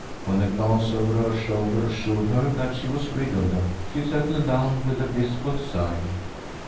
When a glance over her shoulder assured her that she was rid of them, she settled down with a blissful sigh.